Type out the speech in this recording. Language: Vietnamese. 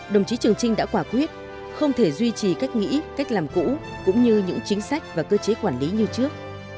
đồng chí trường trinh đã quả quyết không thể duy trì cách nghĩ cách làm cũ cũng như những chính sách và cơ chế quản lý như trước